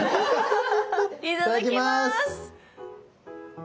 いただきます！